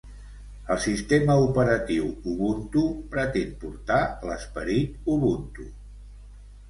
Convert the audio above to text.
El sistema operatiu Ubuntu pretén portar l'esperit Ubuntu